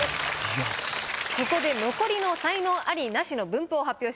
ここで残りの才能アリ・ナシの分布を発表します。